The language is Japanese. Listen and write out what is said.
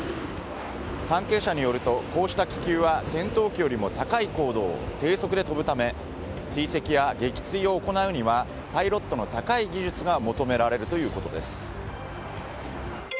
関係者によるとこうした気球は戦闘機よりも高い高度を低速で飛ぶため追跡や撃墜を行うにはパイロットの高い技術が求められるということです。